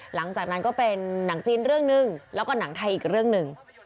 หลังจากนั้นก็เป็นหนังจีนเรื่องหนึ่งแล้วก็หนังไทยอีกเรื่องหนึ่ง